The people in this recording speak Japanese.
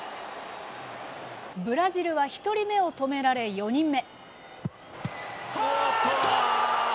ブラジルは１人目を止められ、４人目。